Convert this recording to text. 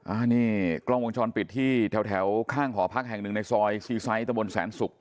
อันนี้กล้องวงจรปิดที่แถวข้างหอพักแห่งหนึ่งในซอยซีไซส์ตะบนแสนศุกร์